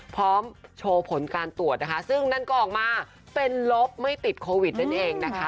พร้อมโชว์ผลการตรวจนะคะซึ่งนั่นก็ออกมาเป็นลบไม่ติดโควิดนั่นเองนะคะ